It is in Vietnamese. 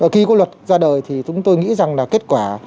khi lực lượng công an xã ra đời thì chúng tôi nghĩ rằng là kết quả